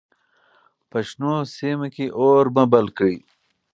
په شنو سیمو کې اور مه بل کړئ.